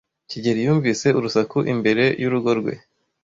kigeli yumvise urusaku imbere y'urugo rwe,